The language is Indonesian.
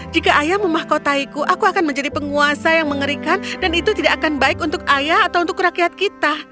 jika ayah memahkotaiku aku akan menjadi penguasa yang mengerikan dan itu tidak akan baik untuk ayah atau untuk rakyat kita